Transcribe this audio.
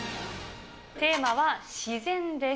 テーマは自然です。